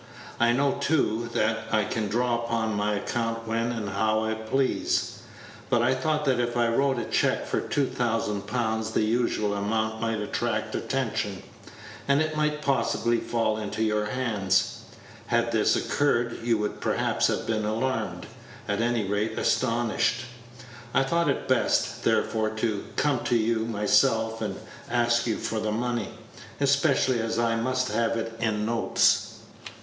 I know, too, that I can draw upon my account when and how I please; but I thought that if I wrote a check for two thousand pounds the unusual amount might attract attention, and it might possibly fall into your hands. Had this occurred, you would perhaps have been alarmed, at any rate astonished. I thought it best, therefore, to come to you myself and ask you for the money, especially as I must have it in notes."